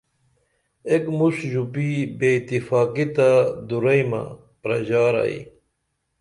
ایک مُݜٹ ژوپی بے اتفاقی تہ دوریمہ پرژار ائی